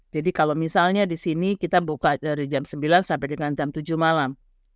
jadi kalau misalnya disini kita buka dari jam sembilan sampai dengan jam tujuh malam